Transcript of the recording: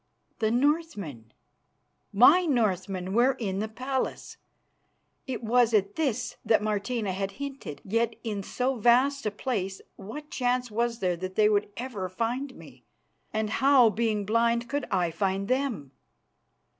The Northmen, my Northmen, were in the palace! It was at this that Martina had hinted. Yet in so vast a place what chance was there that they would ever find me, and how, being blind, could I find them?